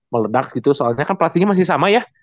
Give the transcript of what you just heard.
meledak gitu soalnya kan plastiknya masih sama ya